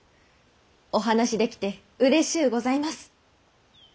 お話しできてうれしうございます。